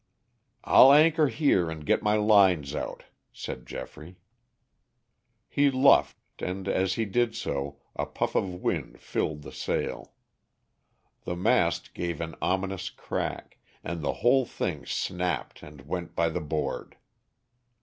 "I'll anchor here and get my lines out," said Geoffrey. He luffed and as he did so a puff of wind filled the sail. The mast gave an ominous crack, and the whole thing snapped and went by the board.